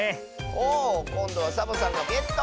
おおこんどはサボさんがゲット！